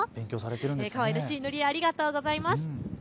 かわいらしい塗り絵、ありがとうございます。